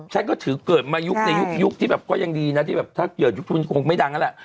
ฉันก็ถือเกิดมายุคในยุคที่แบบก็ยังดีนะที่แบบถ้าเกิดยุคทุนคงไม่ดังนั่นแหละ